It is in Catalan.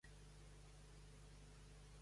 El suport a The Buck Pets era gairebé inexistent.